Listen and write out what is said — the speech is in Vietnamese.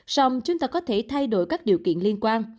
xong chúng ta có thể thay đổi các điều kiện liên quan